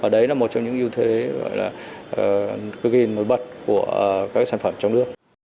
đấy là một trong những ưu thế cực kỳ nổi bật của các sản phẩm trong nước